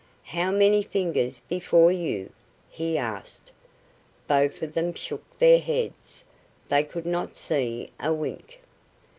"How many fingers before you?" he asked. Both of them shook their heads. They could not see a wink.